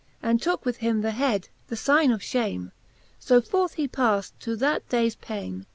And tooke with him the head, the figne of fhame. So forth he palled thorough that daies paine.